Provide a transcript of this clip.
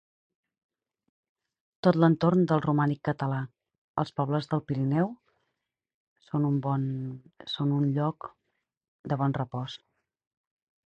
Tot l'entorn del romànic català, els pobles del Pirineu són un bon són un lloc de bon repòs.